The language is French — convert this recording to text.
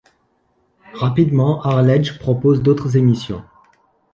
Rapidement Arledge propose d'autres émissions.